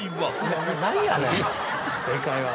正解は。